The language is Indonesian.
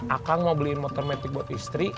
akang mau beliin motor metik buat istri